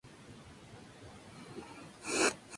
Actualmente se desempeña en Colegiales.